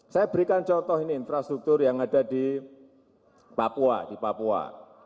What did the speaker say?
saya berikan contoh ini infrastruktur yang ada di papua di papua